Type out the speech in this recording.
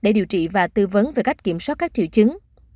để điều trị và tư vấn về cách kiểm soát các triệu chứng